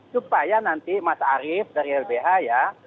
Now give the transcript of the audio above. supaya nanti mas arief dari lbh ya